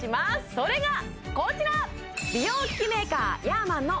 それがこちら！